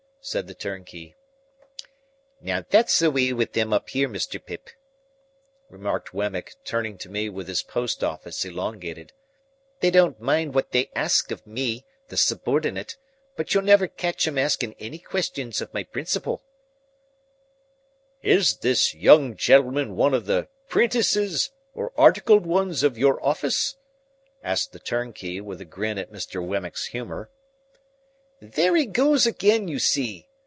said the turnkey. "Now, that's the way with them here, Mr. Pip," remarked Wemmick, turning to me with his post office elongated. "They don't mind what they ask of me, the subordinate; but you'll never catch 'em asking any questions of my principal." "Is this young gentleman one of the 'prentices or articled ones of your office?" asked the turnkey, with a grin at Mr. Wemmick's humour. "There he goes again, you see!"